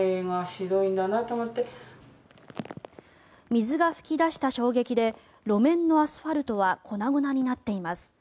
水が噴き出した衝撃で路面のアスファルトは粉々になっています。